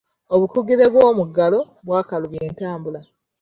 Obukugire bw'omuggalo bwakalubya entambula.